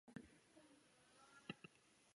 米拉杜人口变化图示